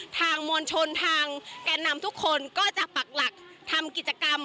ทางมวลชนทางแก่นำทุกคนก็จะปักหลักทำกิจกรรม